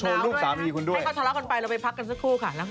ให้เขาทะเลาะกันไปเราไปพักกันสักครู่ค่ะ